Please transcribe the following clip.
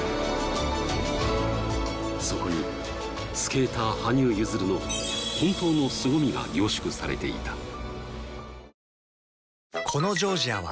そこにスケーター羽生結弦の本当のすごみが凝縮されていた